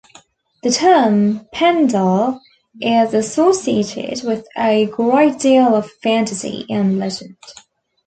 The term "Pendle" is associated with a great deal of fantasy and legend.